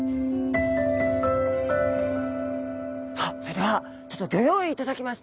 さあそれではちょっとギョ用意いただきました。